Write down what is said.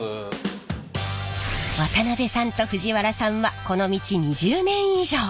渡辺さんと藤原さんはこの道２０年以上！